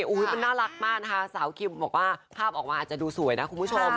มันน่ารักมากนะคะสาวคิมบอกว่าภาพออกมาอาจจะดูสวยนะคุณผู้ชม